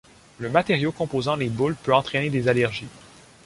Le matériau composant les boules peut entraîner des allergies.